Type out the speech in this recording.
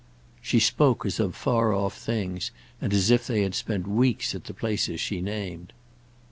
She spoke as of far off things and as if they had spent weeks at the places she named.